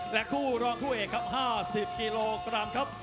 และคู่รองคู่เอกครับ๕๐กิโลกรัมครับ